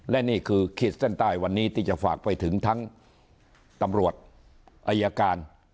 และนี่คือขีดเส้นใต้วันนี้ที่จะฝากไปถึงทั้งตำรวจอายการ